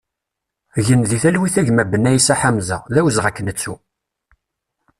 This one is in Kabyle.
Gen di talwit a gma Benaïssa Ḥamza, d awezɣi ad k-nettu!